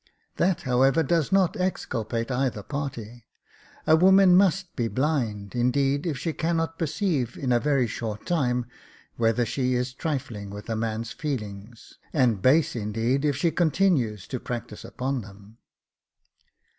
That, however, does not exculpate either party. A woman must be blind, indeed, if she cannot perceive, in a very short time, whether she is trifling with 4o6 Jacob Faithful a man's feelings, and base, indeed, if she continues to practise upon them."